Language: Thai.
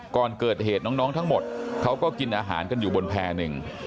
ก่อนเกิดเหตุน้องทั้งหมดเขาก็กินอาหารกันอยู่บนแพร่หนึ่ง